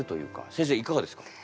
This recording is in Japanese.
先生いかがですか？